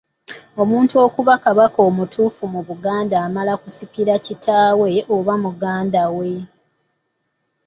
Omuntu okuba Kabaka omutuufu mu Buganda amala kusikira kitaawe oba muganda we.